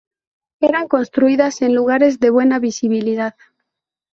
Eran construidas en lugares de buena visibilidad.